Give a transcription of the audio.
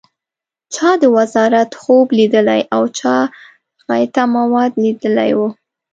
چا د وزارت خوب لیدلی او چا غایطه مواد لیدلي و.